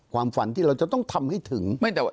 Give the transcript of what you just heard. ความฝันที่เราจะต้องทำให้ถึง